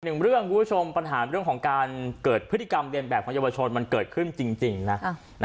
หนึ่งเรื่องคุณผู้ชมปัญหาเรื่องของการเกิดพฤติกรรมเรียนแบบของเยาวชนมันเกิดขึ้นจริงนะ